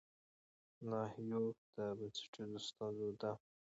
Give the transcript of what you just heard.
ناحيو د بنسټيزو ستونزو د